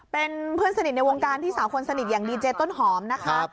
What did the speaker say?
เป็นเพื่อนสนิทในวงการพี่สาวคนสนิทอย่างดีเจต้นหอมนะคะ